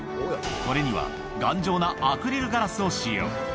これには、頑丈なアクリルガラスを使用。